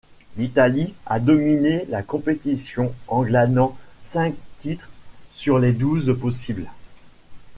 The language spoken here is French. L'Italie a dominé la compétition en glanant cinq titres sur les douze possibles.